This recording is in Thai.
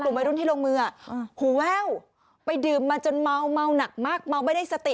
วัยรุ่นที่ลงมือหูแว่วไปดื่มมาจนเมาเมาหนักมากเมาไม่ได้สติ